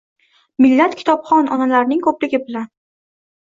Millat kitobxon onalarning ko‘pligi bilan.